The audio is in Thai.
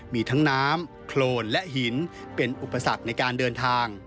มีทั้งน้ำโครนและหินเป็นอุปสรรคในการเดินทาง